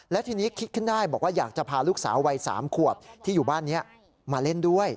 และทีนี้คิดขึ้นได้บอกว่าอยากจะพาลูกสาววัย๓ขวบที่อยู่บ้านนี้มาเล่นด้วย